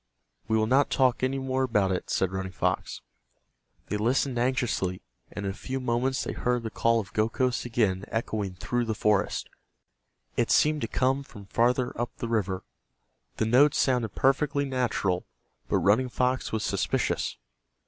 "We will not talk any more about it," said Running Fox. They listened anxiously, and in a few moments they heard the call of Gokhos again echoing through the forest. It seemed to come from farther up the river. The notes sounded perfectly natural, but Running Fox was suspicious.